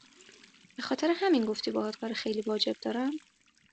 به خاطر همین گفتی باهات کار خیلی واجب دارم؟